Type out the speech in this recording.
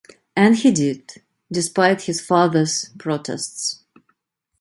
And he did, despite his father's protests.